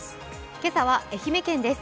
今朝は愛媛県です。